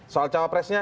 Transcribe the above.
soal cawa presnya